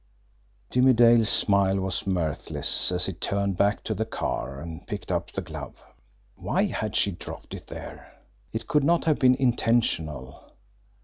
Jimmie Dale's smile was mirthless as he turned back to the car, and picked up the glove. Why had she dropped it there? It could not have been intentional.